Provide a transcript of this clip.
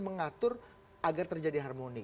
mengatur agar terjadi harmoni